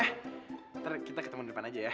nanti kita ketemu di depan aja ya